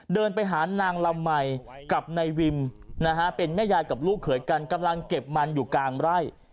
เดินไปหานางละมัยกับนายวิมนะฮะเป็นแม่ยายกับลูกเขยกันกำลังเก็บมันอยู่กลางไร่